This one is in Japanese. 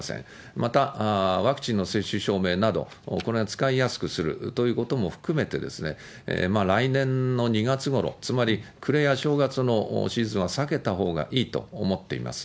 また、ワクチンの接種証明など、これを使いやすくするということも含めて、来年の２月ごろ、つまり暮や正月のシーズンは避けたほうがいいと思っています。